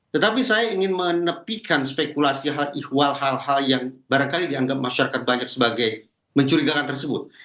tetapi saya ingin menepikan spekulasi hal ihwal hal hal yang barangkali dianggap masyarakat banyak sebagai mencurigakan tersebut